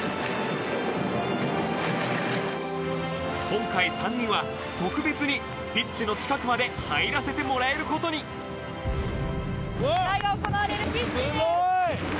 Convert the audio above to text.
今回３人は特別にピッチの近くまで入らせてもらえる事に試合が行われるピッチです。